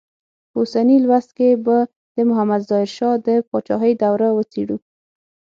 په اوسني لوست کې به د محمد ظاهر شاه د پاچاهۍ دوره وڅېړو.